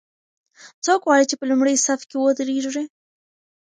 څوک غواړي چې په لومړي صف کې ودریږي؟